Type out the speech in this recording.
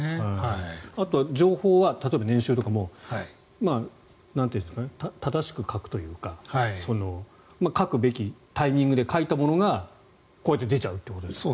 あとは情報も例えば年収とかも正しく書くというか書くべきタイミングで書いたものがこうやって出ちゃうということですよね。